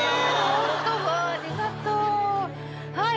ホントわぁありがとうはい！